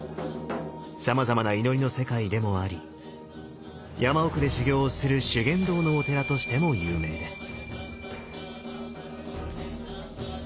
さまざまな祈りの世界でもあり山奥で修行をする修験道のお寺としても有名です。